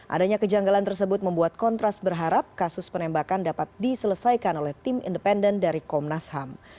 adanya kejanggalan tersebut membuat kontras berharap kasus penembakan dapat diselesaikan oleh tim independen dari komnas ham